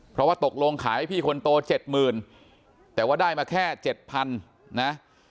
เพราะว่าตกลงขายให้พี่คนโต๗๐๐แต่ว่าได้มาแค่๗๐๐นะ